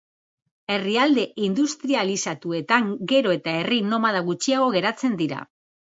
Herrialde industrializatuetan gero eta herri nomada gutxiago geratzen dira.